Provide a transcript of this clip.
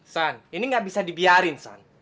san ini gak bisa dibiarin san